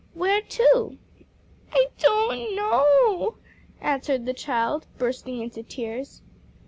"Where to?" "I don't know," answered the child, bursting into tears.